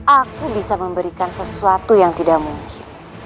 aku bisa memberikan sesuatu yang tidak mungkin